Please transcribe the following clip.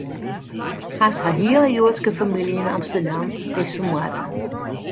Hast har hiele Joadske famylje yn Amsterdam, is fermoarde.